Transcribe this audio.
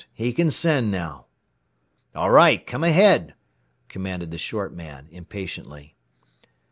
He can send now." "All right. Come ahead," commanded the short man, impatiently.